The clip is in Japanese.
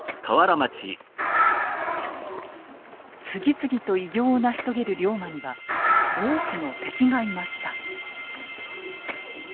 次々と偉業を成し遂げる龍馬には多くの敵がいました。